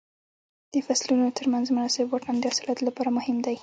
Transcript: د فصلونو تر منځ مناسب واټن د حاصلاتو لپاره مهم دی.